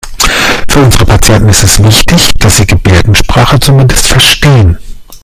Für unsere Patienten ist es wichtig, dass Sie Gebärdensprache zumindest verstehen.